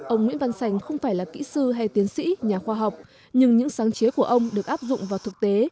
ông nguyễn văn sành không phải là kỹ sư hay tiến sĩ nhà khoa học nhưng những sáng chế của ông được áp dụng vào thực tế